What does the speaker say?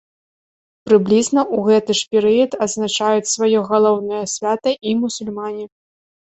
Прыблізна ў гэты ж перыяд адзначаюць сваё галоўнае свята і мусульмане.